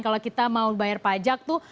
kalau kita mau bayar pajak tuh